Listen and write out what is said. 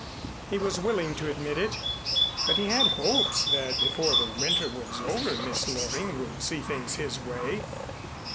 He was willing to admit it, but he had hopes that before the winter was over Miss Loring would see things his way.